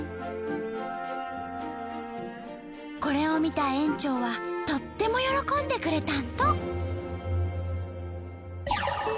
これを見た園長はとっても喜んでくれたんと！